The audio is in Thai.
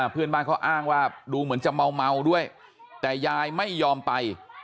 เพื่อนบ้านเขาอ้างว่าดูเหมือนจะเมาด้วยแต่ยายไม่ยอมไป